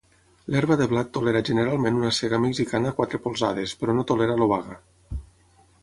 L'herba de blat tolera generalment una sega mexicana a quatre polzades, però no tolera l'obaga.